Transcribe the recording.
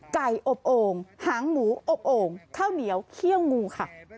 อบโอ่งหางหมูอบโอ่งข้าวเหนียวเขี้ยวงูค่ะ